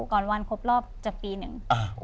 ก่อนวันครบรอบจะปีหนึ่ง